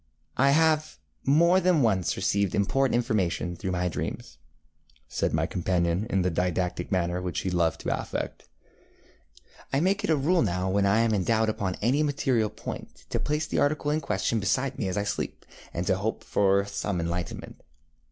ŌĆ£I have more than once received important information through my dreams, ŌĆØ said my companion, in the didactic manner which he loved to affect. ŌĆ£I make it a rule now when I am in doubt upon any material point to place the article in question beside me as I sleep, and to hope for some enlightenment.